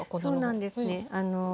そうなんですね。